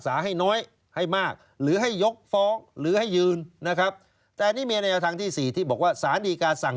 สารยกก็คือหลุดครับครับ